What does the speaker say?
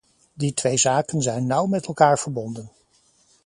Die twee zaken zijn nauw met elkaar verbonden.